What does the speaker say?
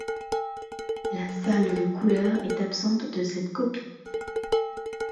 La salve couleur est absente de cette copie.